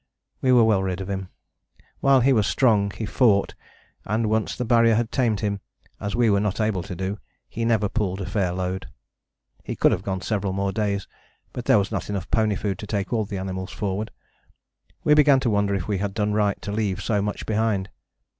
We were well rid of him: while he was strong he fought, and once the Barrier had tamed him, as we were not able to do, he never pulled a fair load. He could have gone several more days, but there was not enough pony food to take all the animals forward. We began to wonder if we had done right to leave so much behind.